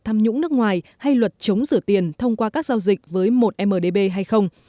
tham nhũng nước ngoài hay luật chống rửa tiền thông qua các giao dịch với một mdb hay không